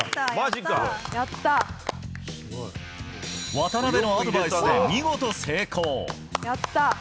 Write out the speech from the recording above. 渡邊のアドバイスで見事成功。